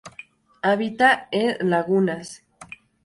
Habita en lagunas.